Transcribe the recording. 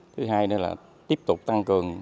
thứ hai nữa là tiếp tục tăng cường